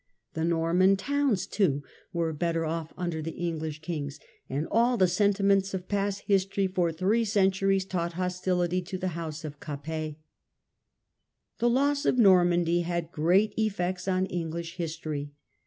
The Norman towns, too, were better off under the English kings, and all the sentiments of past history for three centuries taught hostility to the house of Capet. The loss of Normandy had great effects on English history.